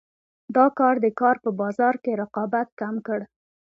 دا کار د کار په بازار کې رقابت کم کړ.